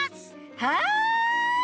はい！